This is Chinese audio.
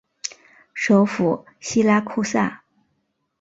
首府锡拉库萨。